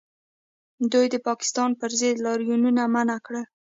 دوی د پاکستان پر ضد لاریونونه منع کړل